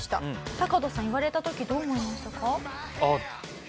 タカトさん言われた時どう思いましたか？